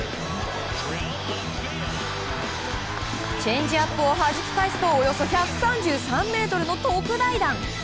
チェンジアップをはじき返すとおよそ１３３ｍの特大弾！